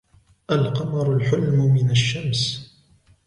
الْقَمَرُ الْحُلْم مِنْ الشَمْسُ.